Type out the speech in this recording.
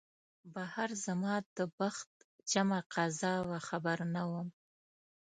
بهر زما د بخت جمعه قضا وه خبر نه وم